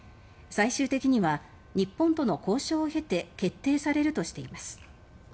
最終的には日本との交渉を経て決定されるとしています。